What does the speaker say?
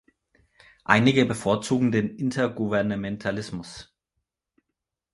Einige bevorzugen den Intergouvernementalismus.